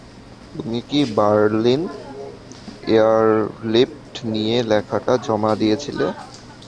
তুমি কি Berlin airlift নিয়ে লেখাটা জমা দিয়েছিলে?